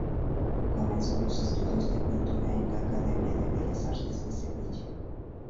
Comenzó los estudios de pintura en la Academia de Bellas Artes de Sevilla.